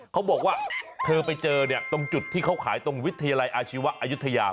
เขาบอกว่าเธอไปเจอเนี่ยตรงจุดที่เขาขายตรงวิทยาลัยอาชีวะอายุทยา